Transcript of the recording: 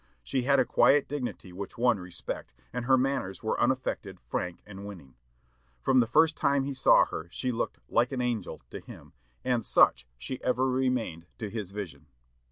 She had a quiet dignity which won respect, and her manners were unaffected, frank, and winning. From the first time he saw her she looked "like an angel" to him, and such she ever remained to his vision.